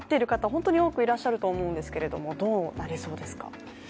本当に多くいらっしゃると思うんですがどうなりそうですか？